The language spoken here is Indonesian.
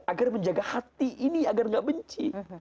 agar menjaga hati ini agar tidak benci